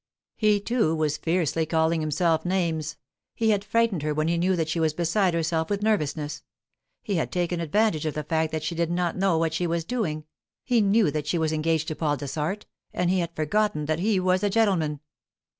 He, too, was fiercely calling himself names. He had frightened her when he knew that she was beside herself with nervousness; he had taken advantage of the fact that she did not know what she was doing; he knew that she was engaged to Paul Dessart, and he had forgotten that he was a gentleman.